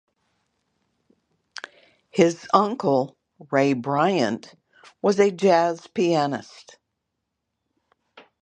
His uncle, Ray Bryant, was a jazz pianist.